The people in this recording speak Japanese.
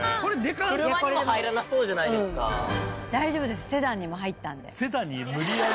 車にも入らなそうじゃないで大丈夫です、セダンにも入ったんで。